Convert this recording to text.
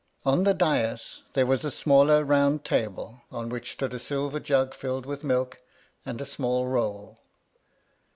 On the dais there was a smaller round table, on which stood a silver jug filled with milk, and a small roll.